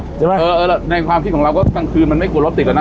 ใช่ไหมเออในความคิดของเราก็กลางคืนมันไม่กลัวรถติดแล้วนะ